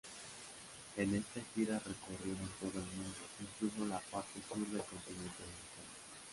En esta gira recorrieron todo el mundo, incluso la parte sur del continente americano.